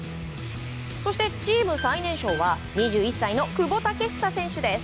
そしてチーム最年少は２１歳の久保建英選手。